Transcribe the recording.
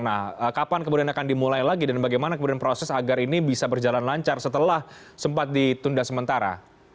nah kapan kemudian akan dimulai lagi dan bagaimana kemudian proses agar ini bisa berjalan lancar setelah sempat ditunda sementara